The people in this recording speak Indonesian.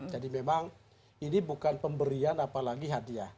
jadi memang ini bukan pemberian apalagi hadiah